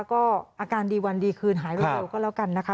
ก็อาการดีวันดีคืนหายเร็วก็แล้วกันนะคะ